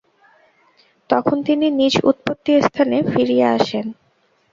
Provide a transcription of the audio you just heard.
তখন তিনি নিজ উৎপত্তি-স্থানে ফিরিয়া আসেন।